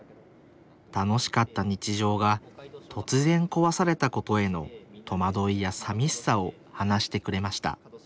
楽しかった日常が突然壊されたことへの戸惑いやさみしさを話してくれました